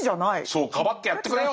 そうかばってやってくれよ！